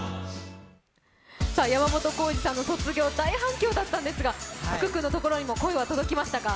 山本耕史さんの「卒業」大反響だったんですが福くんのところにも声は届きましたか？